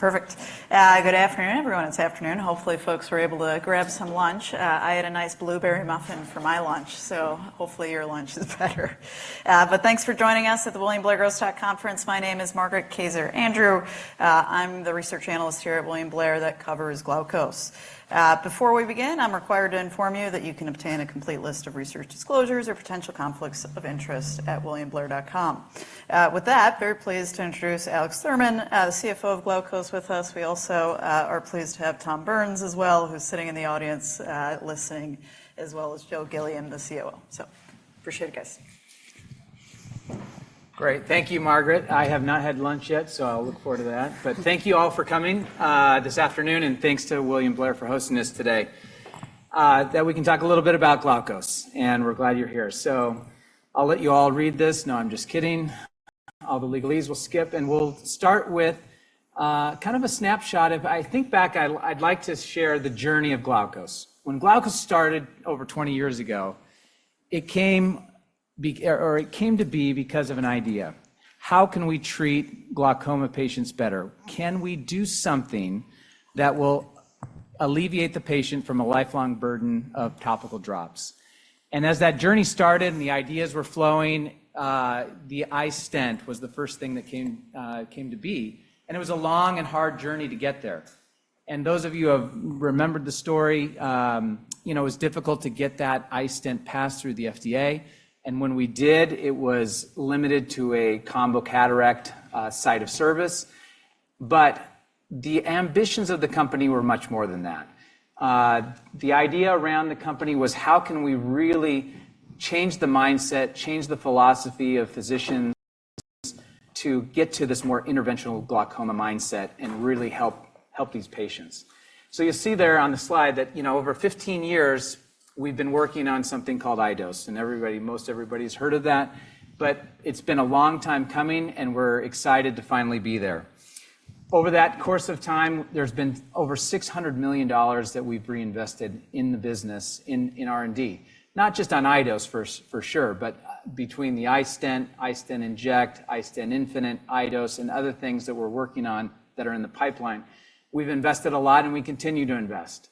All right, perfect. Good afternoon, everyone. It's afternoon. Hopefully, folks were able to grab some lunch. I had a nice blueberry muffin for my lunch, so hopefully your lunch is better. But thanks for joining us at the William Blair Growth Stock Conference. My name is Margaret Kaczor Andrew. I'm the research analyst here at William Blair that covers Glaukos. Before we begin, I'm required to inform you that you can obtain a complete list of research disclosures or potential conflicts of interest at williamblair.com. With that, very pleased to introduce Alex Thurman, CFO of Glaukos, with us. We also are pleased to have Tom Burns as well, who's sitting in the audience, listening, as well as Joe Gilliam, the COO. So appreciate it, guys. Great. Thank you, Margaret. I have not had lunch yet, so I'll look forward to that. But thank you all for coming this afternoon, and thanks to William Blair for hosting us today. That we can talk a little bit about Glaukos, and we're glad you're here. So I'll let you all read this. No, I'm just kidding. All the legalese we'll skip, and we'll start with kind of a snapshot of—I think back, I'd like to share the journey of Glaukos. When Glaukos started over 20 years ago, it came to be because of an idea: How can we treat glaucoma patients better? Can we do something that will alleviate the patient from a lifelong burden of topical drops? As that journey started and the ideas were flowing, the iStent was the first thing that came to be, and it was a long and hard journey to get there. Those of you who have remembered the story, you know, it was difficult to get that iStent passed through the FDA, and when we did, it was limited to a combo cataract site of service. But the ambitions of the company were much more than that. The idea around the company was: How can we really change the mindset, change the philosophy of physicians to get to this more interventional glaucoma mindset and really help these patients? So you see there on the slide that, you know, over 15 years, we've been working on something called iDose, and everybody, most everybody's heard of that, but it's been a long time coming, and we're excited to finally be there. Over that course of time, there's been over $600 million that we've reinvested in the business in R&D. Not just on iDose for sure, but between the iStent, iStent inject, iStent infinite, iDose, and other things that we're working on that are in the pipeline, we've invested a lot, and we continue to invest.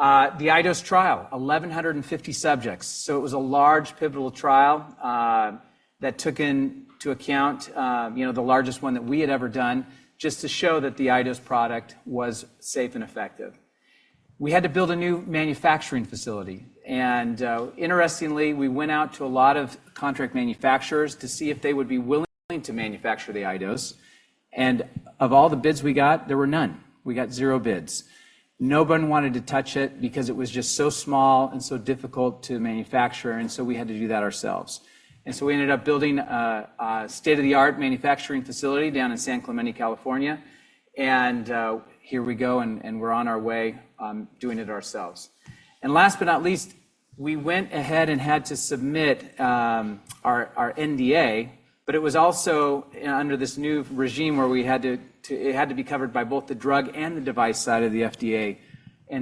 The iDose trial, 1,150 subjects. So it was a large, pivotal trial that took into account, you know, the largest one that we had ever done, just to show that the iDose product was safe and effective. We had to build a new manufacturing facility, and, interestingly, we went out to a lot of contract manufacturers to see if they would be willing to manufacture the iDose, and of all the bids we got, there were none. We got 0 bids. No one wanted to touch it because it was just so small and so difficult to manufacture, and so we had to do that ourselves. And so we ended up building a state-of-the-art manufacturing facility down in San Clemente, California, and, here we go, and, and we're on our way, doing it ourselves. And last but not least, we went ahead and had to submit our NDA, but it was also under this new regime where it had to be covered by both the drug and the device side of the FDA.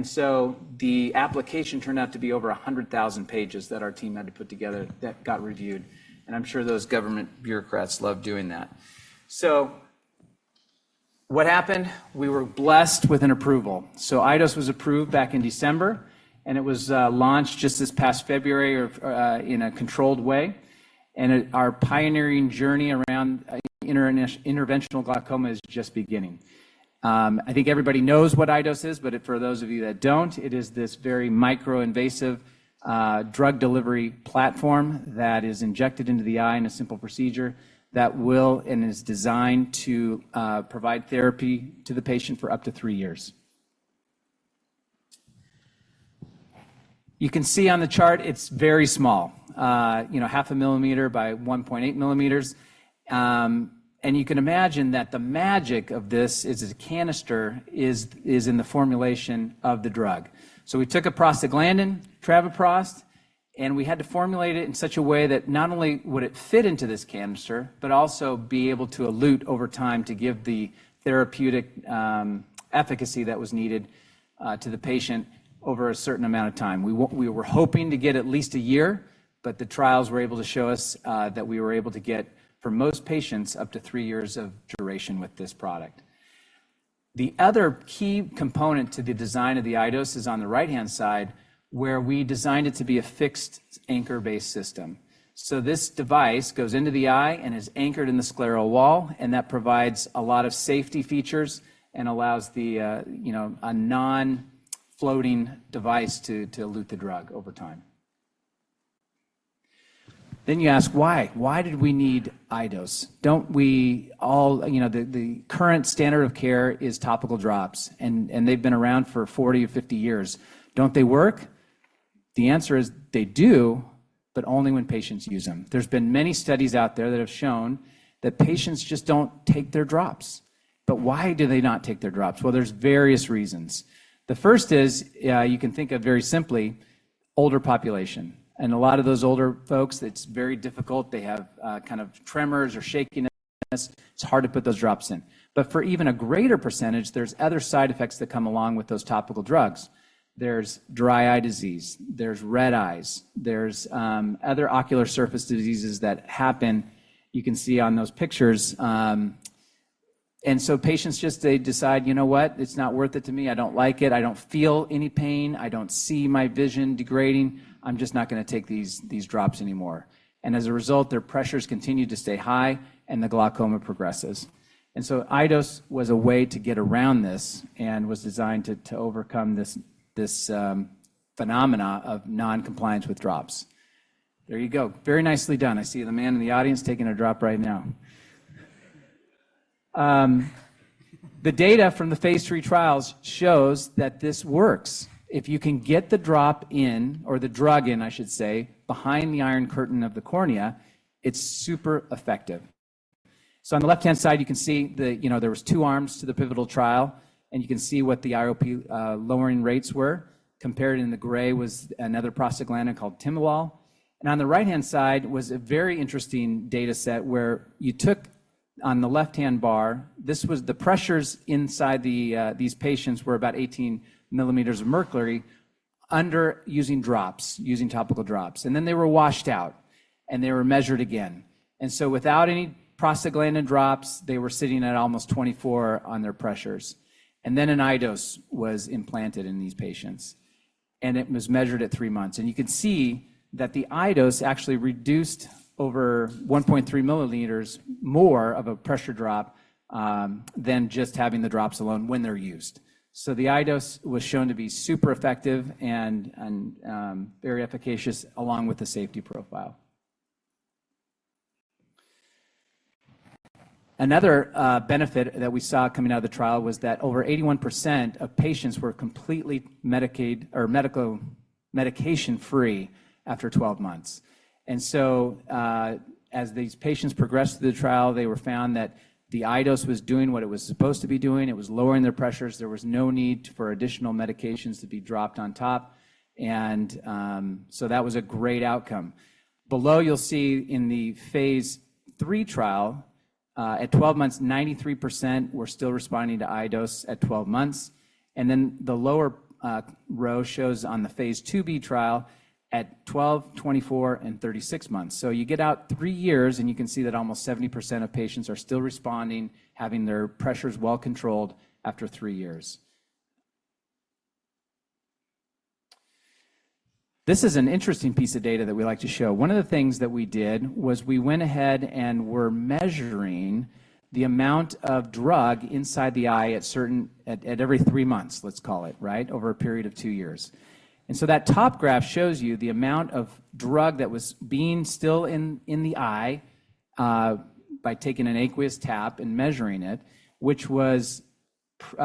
So the application turned out to be over 100,000 pages that our team had to put together that got reviewed, and I'm sure those government bureaucrats loved doing that. So what happened? We were blessed with an approval. So iDose was approved back in December, and it was launched just this past February in a controlled way, and it, our pioneering journey around interventional glaucoma is just beginning. I think everybody knows what iDose is, but for those of you that don't, it is this very micro-invasive drug delivery platform that is injected into the eye in a simple procedure that will and is designed to provide therapy to the patient for up to three years. You can see on the chart it's very small, you know, 0.5 millimeter by 1.8 millimeters. And you can imagine that the magic of this is the canister is in the formulation of the drug. So we took a prostaglandin, travoprost, and we had to formulate it in such a way that not only would it fit into this canister but also be able to elute over time to give the therapeutic efficacy that was needed to the patient over a certain amount of time. We were hoping to get at least a year, but the trials were able to show us that we were able to get, for most patients, up to three years of duration with this product. The other key component to the design of the iDose is on the right-hand side, where we designed it to be a fixed anchor-based system. So this device goes into the eye and is anchored in the scleral wall, and that provides a lot of safety features and allows the, you know, a non-floating device to elute the drug over time. Then you ask, why? Why did we need iDose? Don't we all? You know, the current standard of care is topical drops, and they've been around for 40 or 50 years. Don't they work? The answer is they do, but only when patients use them. There's been many studies out there that have shown that patients just don't take their drops. But why do they not take their drops? Well, there's various reasons. The first is, you can think of very simply, older population, and a lot of those older folks, it's very difficult. They have kind of tremors or shakiness. It's hard to put those drops in. But for even a greater percentage, there's other side effects that come along with those topical drugs. There's dry eye disease, there's red eyes, there's other ocular surface diseases that happen. You can see on those pictures. And so patients just, they decide, "You know what? It's not worth it to me. I don't like it. I don't feel any pain. I don't see my vision degrading. I'm just not going to take these, these drops anymore." And as a result, their pressures continue to stay high, and the glaucoma progresses. And so iDose was a way to get around this and was designed to, to overcome this, this phenomena of non-compliance with drops. There you go. Very nicely done. I see the man in the audience taking a drop right now. The data from the phase III trials shows that this works. If you can get the drop in, or the drug in, I should say, behind the iron curtain of the cornea, it's super effective. So on the left-hand side, you can see the, you know, there was two arms to the pivotal trial, and you can see what the IOP lowering rates were. Compared in the gray was another prostaglandin called timolol. And on the right-hand side was a very interesting data set where you took on the left-hand bar, this was the pressures inside the these patients were about 18 millimeters of mercury under using drops, using topical drops, and then they were washed out, and they were measured again. And so without any prostaglandin drops, they were sitting at almost 24 on their pressures. And then an iDose was implanted in these patients, and it was measured at three months. You can see that the iDose actually reduced over 1.3 milliliters more of a pressure drop than just having the drops alone when they're used. So the iDose was shown to be super effective and very efficacious along with the safety profile. Another benefit that we saw coming out of the trial was that over 81% of patients were completely medication-free after 12 months. And so, as these patients progressed through the trial, they were found that the iDose was doing what it was supposed to be doing. It was lowering their pressures. There was no need for additional medications to be dropped on top. And so that was a great outcome. Below, you'll see in the phase III trial, at 12 months, 93% were still responding to iDose at 12 months, and then the lower row shows on the phase IIb trial at 12, 24, and 36 months. So you get out 3 years, and you can see that almost 70% of patients are still responding, having their pressures well controlled after 3 years. This is an interesting piece of data that we like to show. One of the things that we did was we went ahead and were measuring the amount of drug inside the eye at every 3 months, let's call it, right? Over a period of 2 years. And so that top graph shows you the amount of drug that was being still in the eye by taking an aqueous tap and measuring it, which was you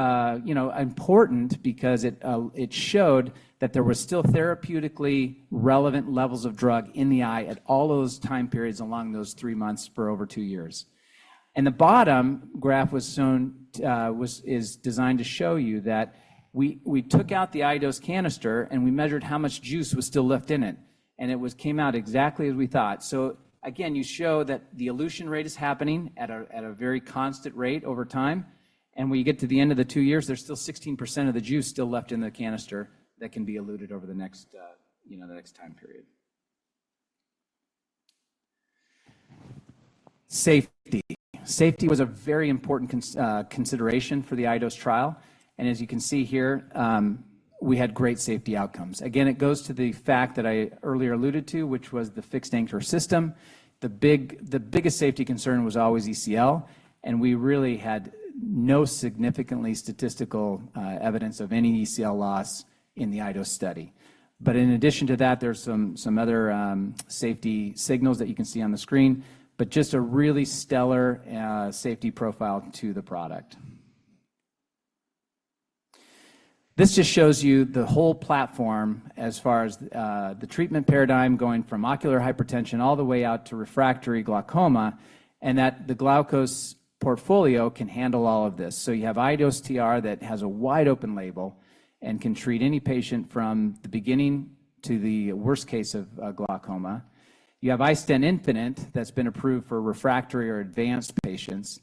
know, important because it showed that there were still therapeutically relevant levels of drug in the eye at all those time periods along those 3 months for over 2 years. And the bottom graph was shown is designed to show you that we took out the iDose canister, and we measured how much juice was still left in it, and it was came out exactly as we thought. So again, you show that the elution rate is happening at a very constant rate over time, and when you get to the end of the two years, there's still 16% of the juice still left in the canister that can be eluted over the next time period. Safety. Safety was a very important consideration for the iDose trial, and as you can see here, we had great safety outcomes. Again, it goes to the fact that I earlier alluded to, which was the fixed anchor system. The big, the biggest safety concern was always ECL, and we really had no significantly statistical evidence of any ECL loss in the iDose study. But in addition to that, there's some other safety signals that you can see on the screen, but just a really stellar safety profile to the product. This just shows you the whole platform as far as the treatment paradigm going from ocular hypertension all the way out to refractory glaucoma, and that the Glaukos portfolio can handle all of this. So you have iDose TR that has a wide-open label and can treat any patient from the beginning to the worst case of glaucoma. You have iStent infinite that's been approved for refractory or advanced patients,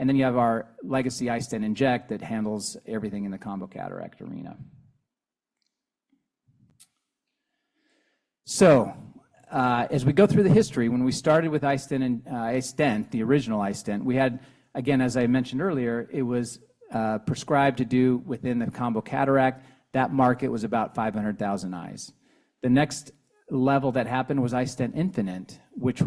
and then you have our legacy iStent inject that handles everything in the combo cataract arena. So, as we go through the history, when we started with iStent and, iStent, the original iStent, we had, again, as I mentioned earlier, it was, prescribed to do within the combo cataract. That market was about 500,000 eyes. The next level that happened was iStent infinite, which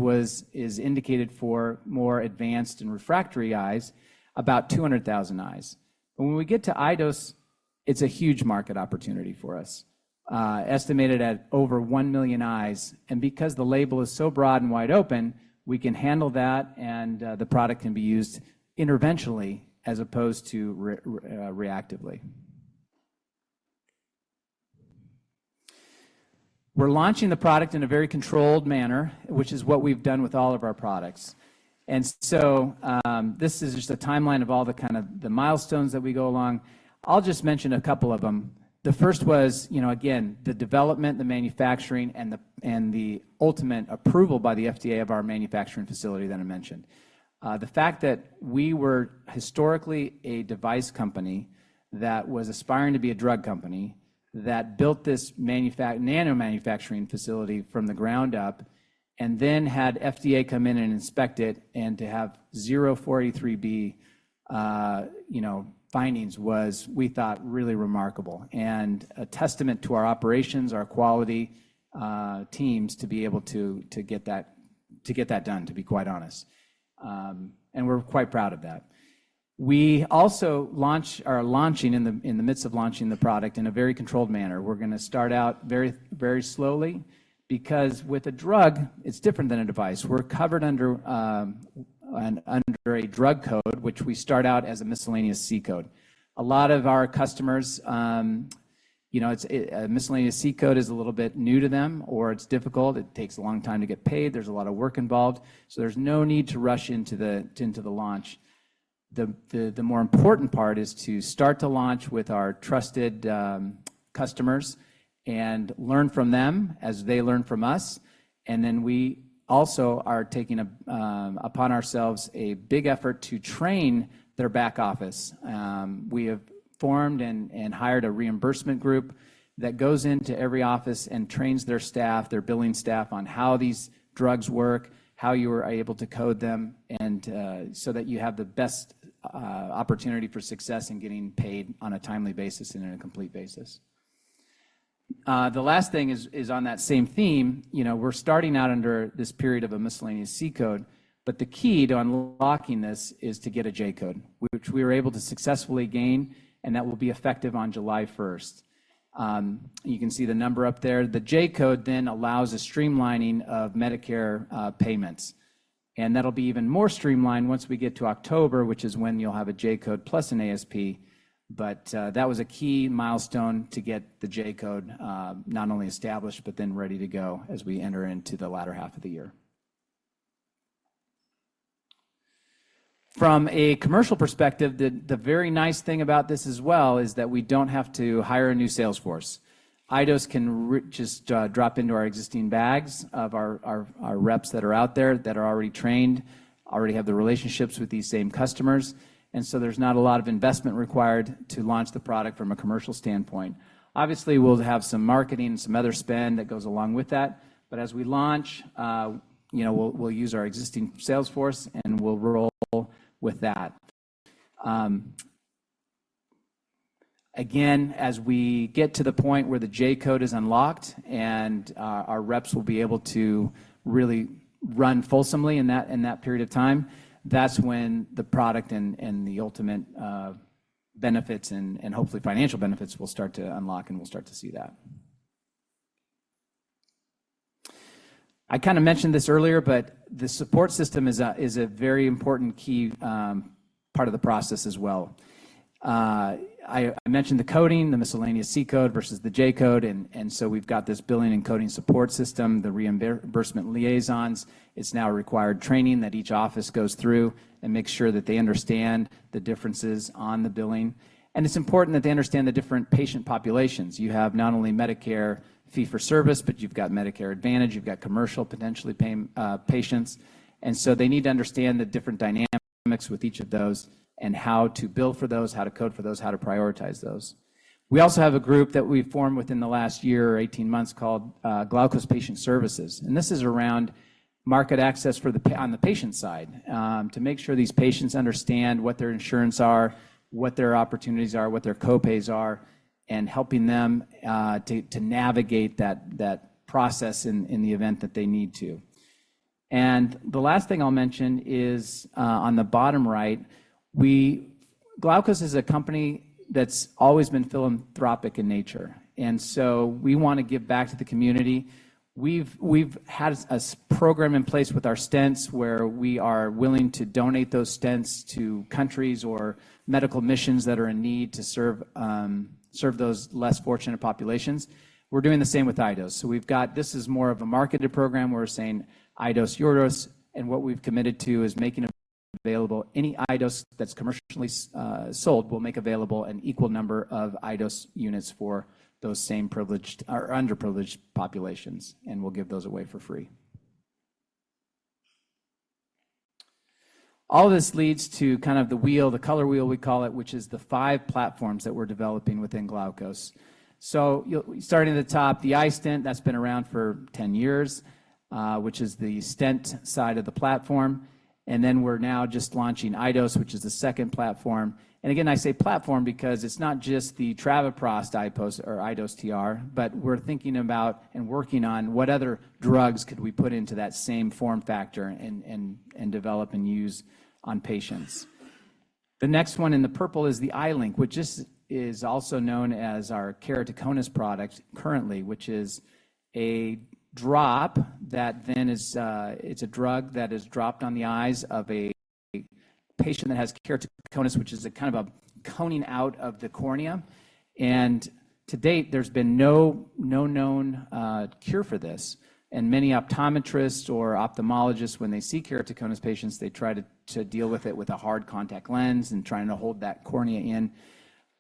is indicated for more advanced and refractory eyes, about 200,000 eyes. But when we get to iDose, it's a huge market opportunity for us, estimated at over 1,000,000 eyes. And because the label is so broad and wide open, we can handle that, and, the product can be used interventionally as opposed to reactively. We're launching the product in a very controlled manner, which is what we've done with all of our products. This is just a timeline of all the kind of the milestones that we go along. I'll just mention a couple of them. The first was, you know, again, the development, the manufacturing, and the ultimate approval by the FDA of our manufacturing facility that I mentioned. The fact that we were historically a device company that was aspiring to be a drug company that built this nano-manufacturing facility from the ground up, and then had FDA come in and inspect it, and to have zero 483B findings, you know, was, we thought, really remarkable and a testament to our operations, our quality teams, to be able to get that done, to be quite honest. And we're quite proud of that. We also launch, are launching in the midst of launching the product in a very controlled manner. We're gonna start out very, very slowly because with a drug, it's different than a device. We're covered under a drug code, which we start out as a miscellaneous C code. A lot of our customers, you know, it's a miscellaneous C code is a little bit new to them, or it's difficult. It takes a long time to get paid. There's a lot of work involved, so there's no need to rush into the launch. The more important part is to start to launch with our trusted customers and learn from them as they learn from us. And then we also are taking upon ourselves a big effort to train their back office. We have formed and hired a reimbursement group that goes into every office and trains their staff, their billing staff, on how these drugs work, how you are able to code them, and so that you have the best opportunity for success in getting paid on a timely basis and on a complete basis. The last thing is on that same theme. You know, we're starting out under this period of a miscellaneous C code, but the key to unlocking this is to get a J code, which we were able to successfully gain, and that will be effective on July first. You can see the number up there. The J code then allows a streamlining of Medicare payments, and that'll be even more streamlined once we get to October, which is when you'll have a J code plus an ASP. But that was a key milestone to get the J code not only established but then ready to go as we enter into the latter half of the year. From a commercial perspective, the very nice thing about this as well is that we don't have to hire a new sales force. iDose can just drop into our existing bags of our reps that are out there, that are already trained, already have the relationships with these same customers. And so there's not a lot of investment required to launch the product from a commercial standpoint. Obviously, we'll have some marketing and some other spend that goes along with that, but as we launch, you know, we'll use our existing sales force, and we'll roll with that. Again, as we get to the point where the J code is unlocked and our reps will be able to really run fulsomely in that period of time, that's when the product and the ultimate benefits and hopefully financial benefits will start to unlock, and we'll start to see that. I kind of mentioned this earlier, but the support system is a very important key part of the process as well. I mentioned the coding, the miscellaneous C code versus the J code, and so we've got this billing and coding support system, the reimbursement liaisons. It's now a required training that each office goes through and makes sure that they understand the differences on the billing. It's important that they understand the different patient populations. You have not only Medicare fee-for-service, but you've got Medicare Advantage, you've got commercial, potentially paying patients. And so they need to understand the different dynamics with each of those and how to bill for those, how to code for those, how to prioritize those. We also have a group that we've formed within the last year or 18 months called Glaukos Patient Services, and this is around market access for the on the patient side. To make sure these patients understand what their insurance are, what their opportunities are, what their co-pays are, and helping them to navigate that process in the event that they need to. And the last thing I'll mention is on the bottom right. Glaukos is a company that's always been philanthropic in nature, and so we want to give back to the community. We've had a program in place with our stents, where we are willing to donate those stents to countries or medical missions that are in need to serve those less fortunate populations. We're doing the same with iDose. So we've got. This is more of a marketed program where we're saying, iDose, your dose, and what we've committed to is making available any iDose that's commercially sold, we'll make available an equal number of iDose units for those same privileged or underprivileged populations, and we'll give those away for free. All this leads to kind of the wheel, the color wheel, we call it, which is the five platforms that we're developing within Glaukos. So you'll starting at the top, the iStent, that's been around for 10 years, which is the stent side of the platform. Then we're now just launching iDose, which is the second platform. Again, I say platform because it's not just the travoprost iDose or iDose TR, but we're thinking about and working on what other drugs could we put into that same form factor and develop and use on patients. The next one in the purple is the iLink, which is also known as our keratoconus product currently, which is a drop. It's a drug that is dropped on the eyes of a patient that has keratoconus, which is a kind of a coning out of the cornea. To date, there's been no known cure for this. Many optometrists or ophthalmologists, when they see keratoconus patients, they try to deal with it with a hard contact lens and trying to hold that cornea in.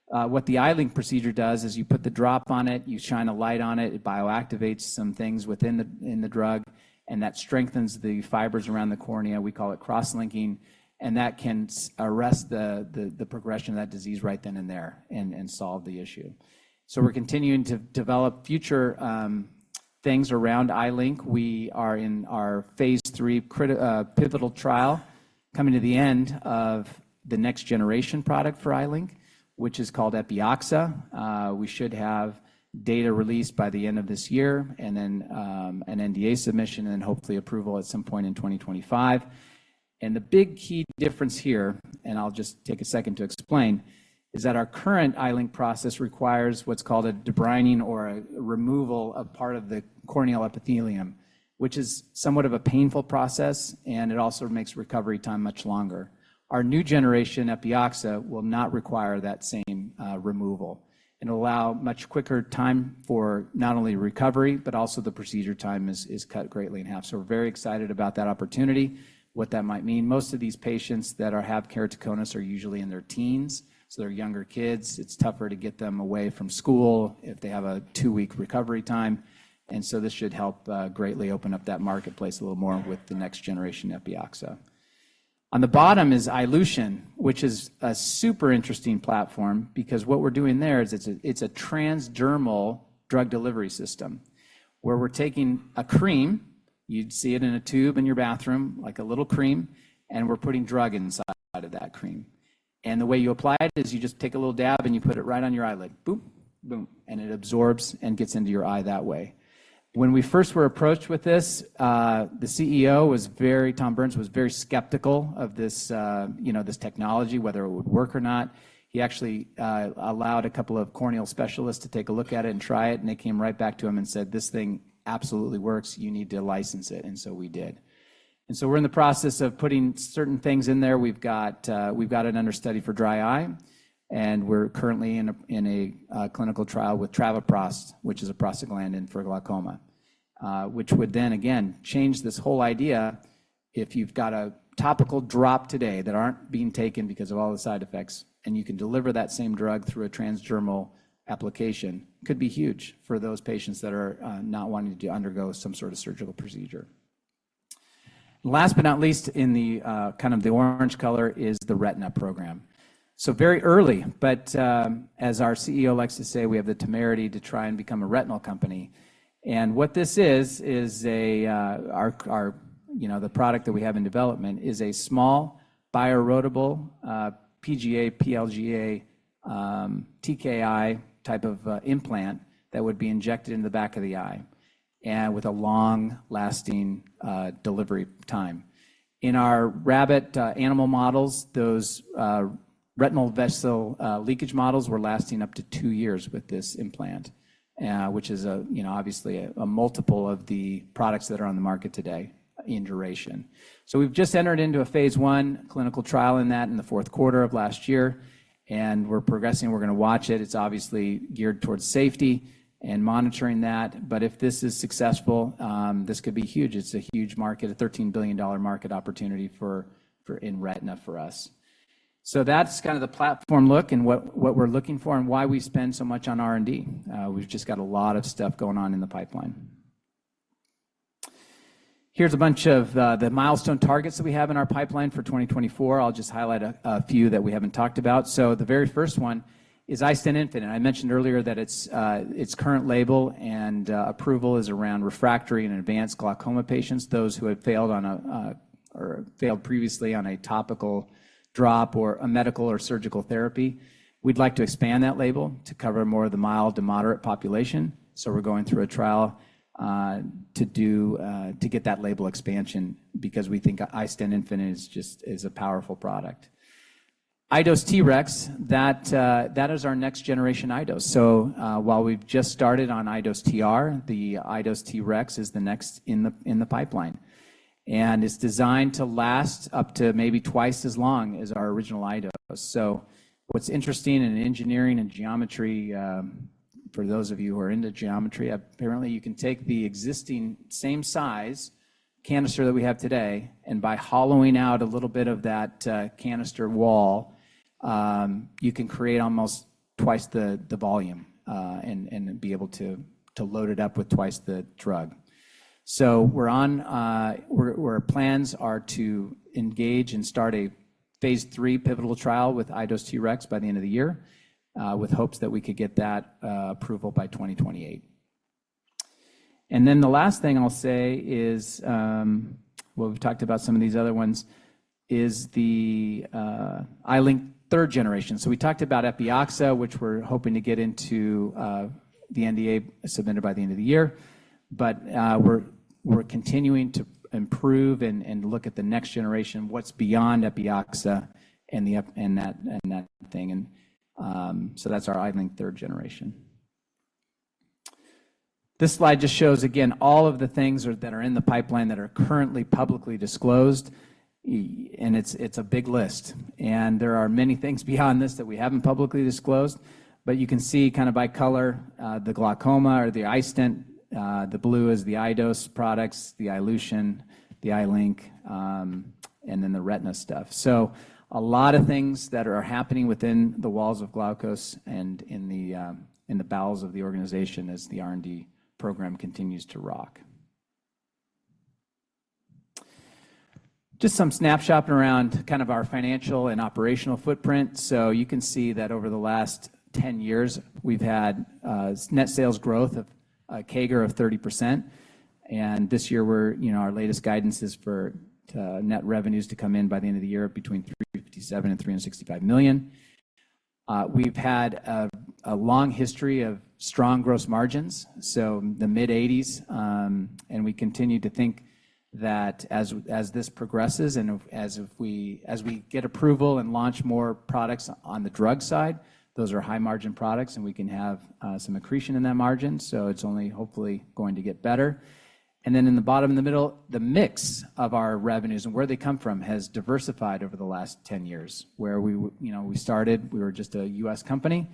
What the iLink procedure does is you put the drop on it, you shine a light on it, it bioactivates some things within the drug, and that strengthens the fibers around the cornea. We call it cross-linking, and that can arrest the progression of that disease right then and there and solve the issue. So we're continuing to develop future platforms, things around iLink. We are in our phase III pivotal trial, coming to the end of the next generation product for iLink, which is called Epioxa. We should have data released by the end of this year, and then an NDA submission, and hopefully approval at some point in 2025. The big key difference here, and I'll just take a second to explain, is that our current iLink process requires what's called a debriding or a removal of part of the corneal epithelium, which is somewhat of a painful process, and it also makes recovery time much longer. Our new generation, Epioxa, will not require that same removal and allow much quicker time for not only recovery, but also the procedure time is cut greatly in half. So we're very excited about that opportunity, what that might mean. Most of these patients that have keratoconus are usually in their teens, so they're younger kids. It's tougher to get them away from school if they have a two-week recovery time, and so this should help greatly open up that marketplace a little more with the next generation Epioxa. On the bottom is iLution, which is a super interesting platform because what we're doing there is it's a transdermal drug delivery system, where we're taking a cream, you'd see it in a tube in your bathroom, like a little cream, and we're putting drug inside of that cream. And the way you apply it is you just take a little dab, and you put it right on your eyelid. Boop, boom, and it absorbs and gets into your eye that way. When we first were approached with this, the CEO was very—Tom Burns, was very skeptical of this, you know, this technology, whether it would work or not. He actually allowed a couple of corneal specialists to take a look at it and try it, and they came right back to him and said, "This thing absolutely works. You need to license it." And so we did. And so we're in the process of putting certain things in there. We've got, we've got it under study for dry eye, and we're currently in a clinical trial with travoprost, which is a prostaglandin for glaucoma. Which would then again change this whole idea if you've got a topical drop today that aren't being taken because of all the side effects, and you can deliver that same drug through a transdermal application, could be huge for those patients that are not wanting to undergo some sort of surgical procedure. Last but not least, in the kind of the orange color is the retina program. So very early, but, as our CEO likes to say, we have the temerity to try and become a retinal company. What this is, is our, you know, the product that we have in development is a small bioerodible PGA, PLGA TKI type of implant that would be injected in the back of the eye and with a long-lasting delivery time. In our rabbit animal models, those retinal vessel leakage models were lasting up to two years with this implant, which is, you know, obviously a multiple of the products that are on the market today in duration. So we've just entered into a phase I clinical trial in the fourth quarter of last year, and we're progressing. We're going to watch it. It's obviously geared towards safety and monitoring that, but if this is successful, this could be huge. It's a huge market, a $13 billion market opportunity for, for in retina for us. So that's kind of the platform look and what, what we're looking for and why we spend so much on R&D. We've just got a lot of stuff going on in the pipeline. Here's a bunch of, the milestone targets that we have in our pipeline for 2024. I'll just highlight a, a few that we haven't talked about. So the very first one is iStent infinite. I mentioned earlier that its, its current label and, approval is around refractory and advanced glaucoma patients, those who have failed on a, or failed previously on a topical drop or a medical or surgical therapy. We'd like to expand that label to cover more of the mild to moderate population, so we're going through a trial to get that label expansion because we think iStent infinite is just a powerful product. iDose TREX, that is our next generation iDose. So, while we've just started on iDose TR, the iDose TREX is the next in the pipeline, and it's designed to last up to maybe twice as long as our original iDose. So what's interesting in engineering and geometry, for those of you who are into geometry, apparently you can take the existing same size canister that we have today, and by hollowing out a little bit of that canister wall, you can create almost twice the volume, and be able to load it up with twice the drug. So our plans are to engage and start a phase III pivotal trial with iDose TREX by the end of the year, with hopes that we could get that approval by 2028. And then the last thing I'll say is, well, we've talked about some of these other ones, is the iLink third generation. So we talked about Epioxa, which we're hoping to get into the NDA submitted by the end of the year, but we're continuing to improve and look at the next generation, what's beyond Epioxa and that thing, so that's our iLink third generation. This slide just shows, again, all of the things that are in the pipeline that are currently publicly disclosed, and it's a big list. There are many things beyond this that we haven't publicly disclosed, but you can see kind of by color, the glaucoma or the iStent, the blue is the iDose products, the iLution, the iLink, and then the retina stuff. So a lot of things that are happening within the walls of Glaukos and in the bowels of the organization as the R&D program continues to rock. Just some snapshot around kind of our financial and operational footprint. So you can see that over the last 10 years, we've had net sales growth of a CAGR of 30%. And this year, we're, you know, our latest guidance is for net revenues to come in by the end of the year between $357 million and $365 million. We've had a long history of strong gross margins, so the mid-80s, and we continue to think that as this progresses and as we get approval and launch more products on the drug side, those are high-margin products, and we can have some accretion in that margin, so it's only hopefully going to get better. And then in the bottom, in the middle, the mix of our revenues and where they come from has diversified over the last 10 years, where you know, we started, we were just a U.S. company,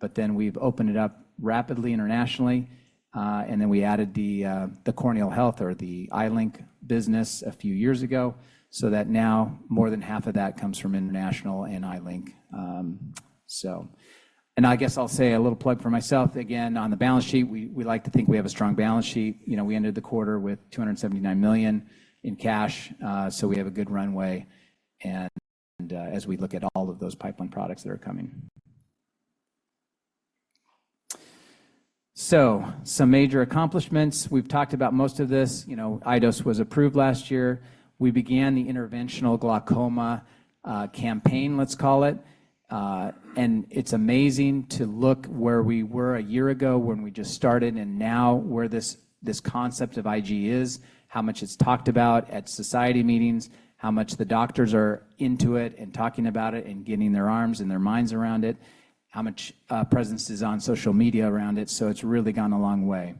but then we've opened it up rapidly internationally, and then we added the corneal health or the iLink business a few years ago, so that now more than half of that comes from international and iLink. So... I guess I'll say a little plug for myself. Again, on the balance sheet, we like to think we have a strong balance sheet. You know, we ended the quarter with $279 million in cash, so we have a good runway and, as we look at all of those pipeline products that are coming. So some major accomplishments. We've talked about most of this. You know, iDose was approved last year. We began the Interventional Glaucoma campaign, let's call it. And it's amazing to look where we were a year ago when we just started and now where this, this concept of IG is, how much it's talked about at society meetings, how much the doctors are into it and talking about it and getting their arms and their minds around it, how much presence is on social media around it. So it's really gone a long way.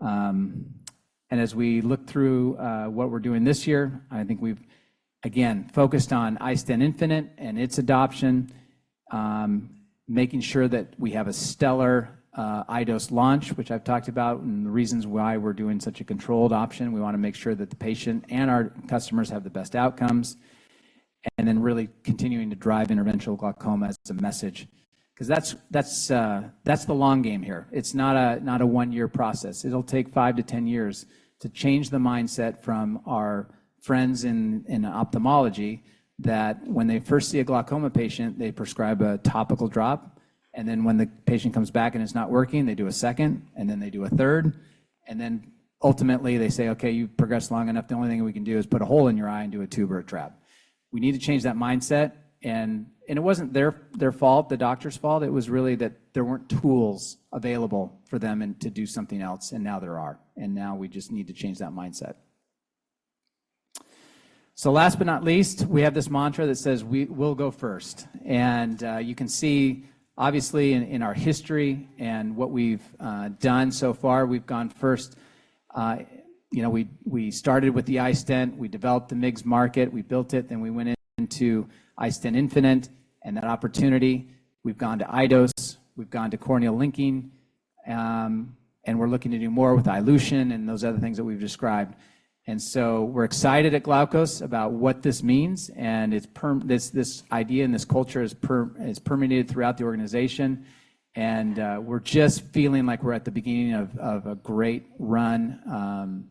And as we look through what we're doing this year, I think we've, again, focused on iStent infinite and its adoption, making sure that we have a stellar iDose launch, which I've talked about, and the reasons why we're doing such a controlled option. We want to make sure that the patient and our customers have the best outcomes, and then really continuing to drive interventional glaucoma as a message. 'Cause that's the long game here. It's not a one-year process. It'll take 5-10 years to change the mindset from our friends in ophthalmology, that when they first see a glaucoma patient, they prescribe a topical drop, and then when the patient comes back and it's not working, they do a second, and then they do a third, and then ultimately they say, "Okay, you've progressed long enough. The only thing we can do is put a hole in your eye and do a tube or a trab." We need to change that mindset, and it wasn't their fault, the doctor's fault. It was really that there weren't tools available for them and to do something else, and now there are, and now we just need to change that mindset. So last but not least, we have this mantra that says, "We will go first." And you can see obviously in our history and what we've done so far, we've gone first. You know, we started with the iStent, we developed the MIGS market, we built it, then we went into iStent Infinite and that opportunity. We've gone to iDose, we've gone to corneal cross-linking, and we're looking to do more with iLution and those other things that we've described. And so we're excited at Glaukos about what this means, and it's this idea and this culture is permeated throughout the organization, and we're just feeling like we're at the beginning of a great run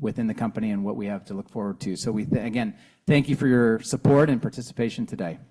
within the company and what we have to look forward to. So, we again thank you for your support and participation today.